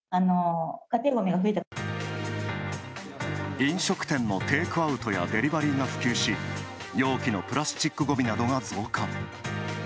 飲食店のテイクアウトやデリバリーが普及し、容器のプラスチックごみなどが増加。